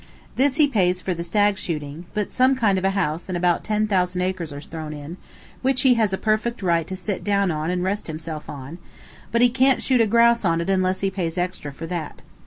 This he pays for the stag shooting, but some kind of a house and about ten thousand acres are thrown in, which he has a perfect right to sit down on and rest himself on, but he can't shoot a grouse on it unless he pays extra for that.